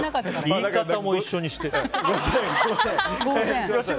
言い方も一緒にしてたけど。